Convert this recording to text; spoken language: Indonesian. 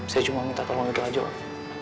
saya cuma minta tolong itu aja pak